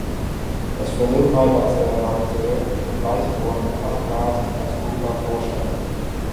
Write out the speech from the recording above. Het verheugt mij dat de rapporteur pleit voor een adequaat en uitvoerbaar voorstel.